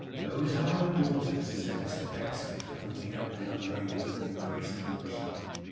'Those are her daughters,' said Mr Pecksniff, pointing out the young ladies, with increased emotion.